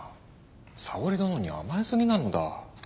沙織殿に甘えすぎなのだ。